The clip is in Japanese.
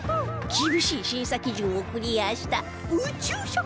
厳しい審査基準をクリアした宇宙食